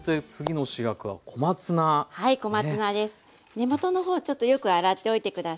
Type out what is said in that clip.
根元の方はちょっとよく洗っておいて下さい。